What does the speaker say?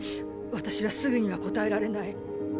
私はすぐには答えられない。